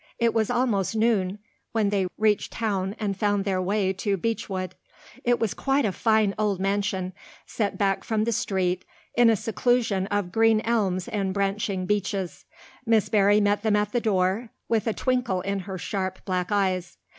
It was almost noon when they reached town and found their way to "Beechwood." It was quite a fine old mansion, set back from the street in a seclusion of green elms and branching beeches. Miss Barry met them at the door with a twinkle in her sharp black eyes.